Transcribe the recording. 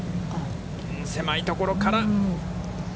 狭いところから。